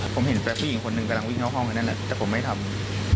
ผมเห็นแต่ผู้หญิงคนหนึ่งกำลังวิ่งเข้าห้องแค่นั้นแต่ผมไม่ทำ